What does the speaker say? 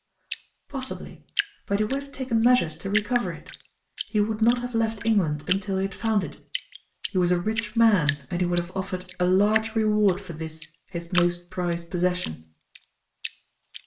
"Possibly. But he would have taken measures to recover it. He would not have left England until he had found it. He was a rich man, and he would have offered a large reward for this his most prized possession."